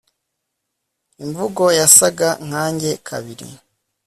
Imvugo yasaga nkanjye kabiri